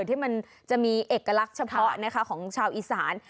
ที่มันจะมีเอกลักษณ์เฉพาะนะคะของชาวอีสาน